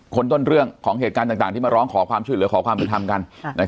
คนต้นเรื่องของเหตุการณ์ต่างที่มาร้องขอความช่วยเหลือขอความเป็นธรรมกัน